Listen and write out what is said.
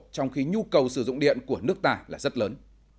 trong khi nhu cầu sử dụng điện của nước ta là rất lớn